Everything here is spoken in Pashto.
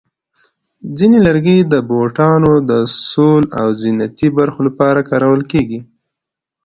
ځینې لرګي د بوټانو د سول او زینتي برخو لپاره کارېږي.